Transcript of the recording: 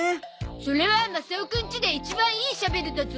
それはマサオくんちで一番いいシャベルだゾ。